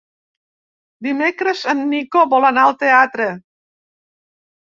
Dimecres en Nico vol anar al teatre.